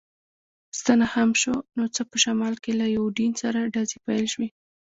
ستنه هم شو، نو څه، په شمال کې له یوډین سره ډزې پیل شوې.